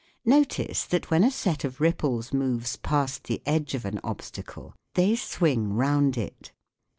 Notice that when a set of ripples moves past the edge of an obstacle they swing round it.